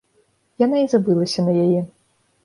Яна і забылася на яе.